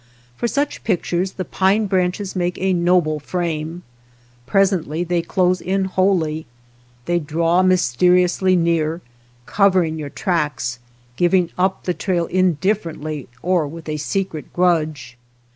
For such pictures the pine branches make a noble frame. Presently they close in wholly; they draw mysteriously near, cov ering your tracks, giving up the trail indif ferently, or with a secret grudge.